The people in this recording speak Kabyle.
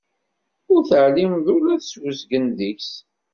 Ur teɛlimeḍ ula s uzgen deg-s.